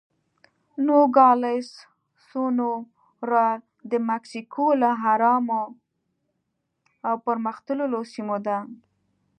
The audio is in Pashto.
نوګالس سونورا د مکسیکو له ارامو او پرمختللو سیمو ده.